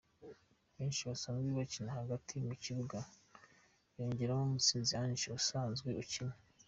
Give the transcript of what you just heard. benshi basanzwe bakina hagati mu kibuga yongeramo Mutsinzi Ange usanzwe akina